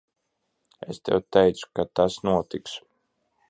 Es tev teicu, ka tas notiks.